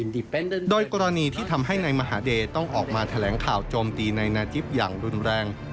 โดยกรณีที่ทำให้นายมหาเดย์ต้องออกมาแถลงข่าวโจมตีนายนาจิปอย่างรุนแรง